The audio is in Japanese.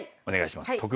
お願いします。